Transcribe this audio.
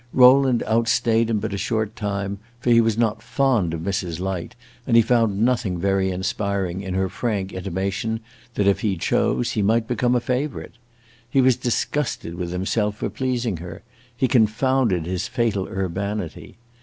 Rowland out stayed him but a short time, for he was not fond of Mrs. Light, and he found nothing very inspiring in her frank intimation that if he chose, he might become a favorite. He was disgusted with himself for pleasing her; he confounded his fatal urbanity.